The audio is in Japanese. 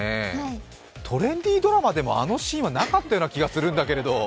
トレンディードラマでもあのシーンはなかったような気がするんだけど。